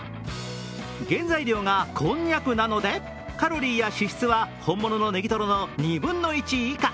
原材料がこんにゃくなのでカロリーや脂質は本物のネギトロの２分の１以下。